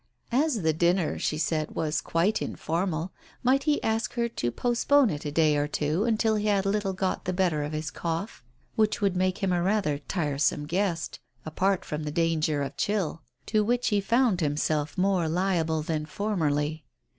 As the dinner, she had said, was quite informal, might he ask her to postpone it a day or two until he had a little got the better of his cough, which would make him a rather tiresome guest, apart from the danger of chill, to which he found himself more liable than formerly.